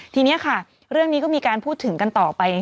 ทีนี้ค่ะเรื่องนี้ก็มีการพูดถึงกันต่อไป